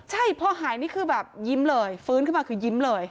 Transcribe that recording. ใช่พอหายนี่คือแบบยิ้มเลยฟื้นขึ้นมาคือยิ้มเลย